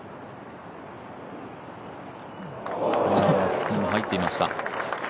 スピン入っていました。